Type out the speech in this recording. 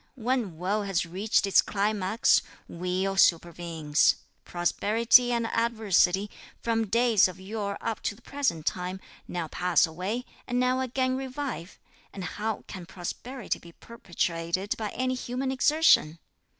When woe has reached its climax, weal supervenes. Prosperity and adversity, from days of yore up to the present time, now pass away, and now again revive, and how can (prosperity) be perpetuated by any human exertion?